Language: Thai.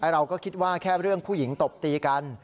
เราก็คิดว่าแค่เรื่องผู้หญิงตบตีกัน